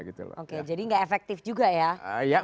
jadi tidak efektif juga ya